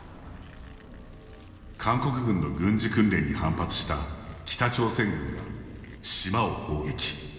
韓国軍の軍事訓練に反発した北朝鮮軍が、島を砲撃。